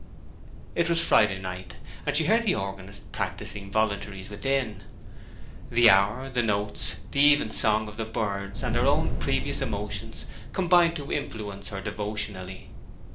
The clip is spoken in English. It was Friday night, and she heard the organist practising voluntaries within. The hour, the notes, the even song of the birds, and her own previous emotions, combined to influence her devotionally.